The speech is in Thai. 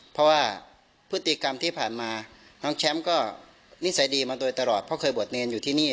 เพราะว่าพฤติกรรมที่ผ่านมาน้องแชมป์ก็นิสัยดีมาโดยตลอดเพราะเคยบวชเนรอยู่ที่นี่